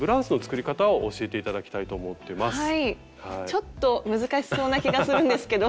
ちょっと難しそうな気がするんですけど。